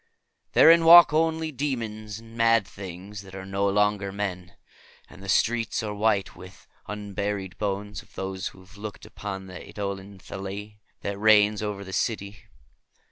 Therein walk only daemons and mad things that are no longer men, and the streets are white with the unburied bones of those who have looked upon the eidolon Lathi, that reigns over the city."